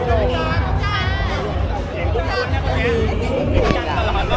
พี่ดอยครับ